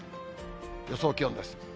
予想気温です。